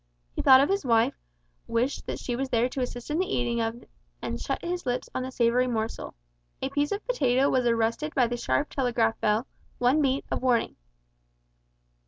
He thought of his wife, wished that she was there to assist in the eating of it and shut his lips on the savoury morsel. A piece of potato was arrested by the sharp telegraph bell one beat of warning.